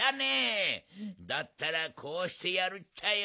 だったらこうしてやるっちゃよ。